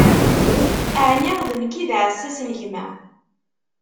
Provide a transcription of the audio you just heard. ɛni d nekk i d aɛessas n gma?